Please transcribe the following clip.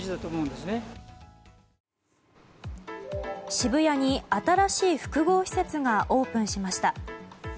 渋谷に新しい複合施設がオープンしました。